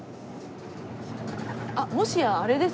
あっもしやあれですか？